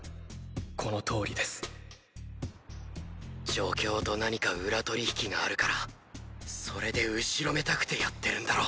このとおりです助教と何か裏取引があるからそれで後ろめたくてやってるんだろ！！